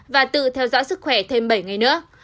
và tự theo dõi sức khỏe thêm bảy ngày nữa